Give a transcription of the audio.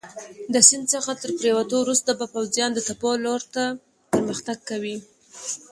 د سیند څخه تر پورېوتو وروسته به پوځیان د تپو لور ته پرمختګ کوي.